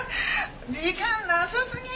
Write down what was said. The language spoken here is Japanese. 時間なさすぎ！